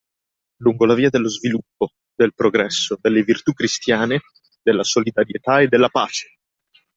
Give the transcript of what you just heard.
Lungo la via dello sviluppo, del progresso, delle virtù cristiane, della solidarietà e della pace!